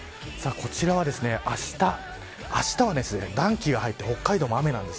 こちらはあしたあしたは暖気が入って北海道も雨なんです。